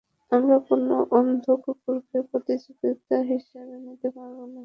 আমরা কোনো অন্ধ কুকুরকে প্রতিযোগি হিসেবে নিতে পারবো না।